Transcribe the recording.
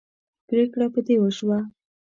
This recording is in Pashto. پرېکړه په دې وشوه.